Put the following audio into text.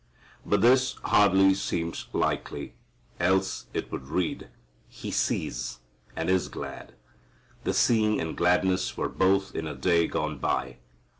But this hardly seems likely, else it would read, "He sees, and is glad." The seeing and gladness were both in a day gone by.